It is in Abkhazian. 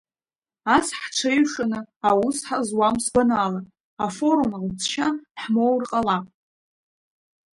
Ас ҳҽеиҩшаны аус ҳазуам сгәанала, Афорум алҵшьа ҳмоур ҟалап.